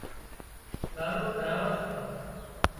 ڳارو ڪراوان سان